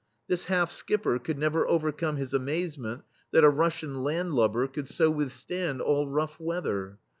This half skipper could never overcome his amazement that a Rus sian landlubber could so withstand all rough weather.